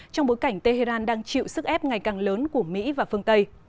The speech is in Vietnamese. trong bối cảnh tehran đang chịu sức ép ngày càng lớn của mỹ và phương tây